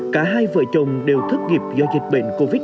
cả hai vợ chồng đều thất nghiệp do dịch bệnh covid một mươi chín